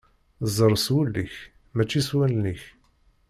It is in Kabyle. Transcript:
Ẓer s wul-ik mačči s wallen-ik.